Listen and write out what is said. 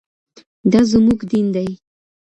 دا زموږ دین دی.